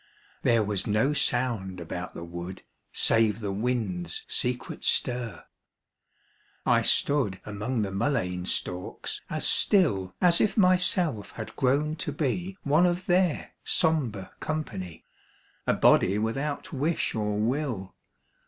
There was no sound about the wood Save the wind's secret stir. I stood Among the mullein stalks as still As if myself had grown to be One of their sombre company, A body without wish or will.